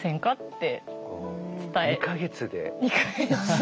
２か月で。